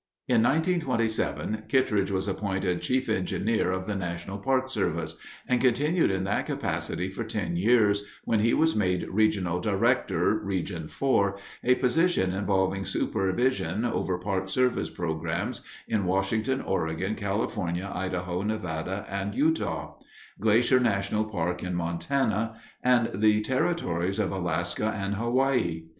In 1927, Kittredge was appointed chief engineer of the National Park Service and continued in that capacity for ten years, when he was made Regional Director, Region Four, a position involving supervision over Park Service programs in Washington, Oregon, California, Idaho, Nevada, and Utah; Glacier National Park in Montana; and the territories of Alaska and Hawaii.